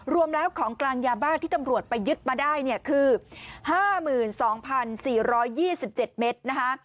รวมแล้วของกลางยาบ้าที่ตำรวจไปยึดมาได้เนี่ยคือ๕๒๔๒๗เมตรนะคะ